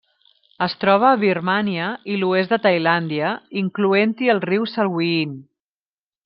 Es troba a Birmània i l'oest de Tailàndia, incloent-hi el riu Salween.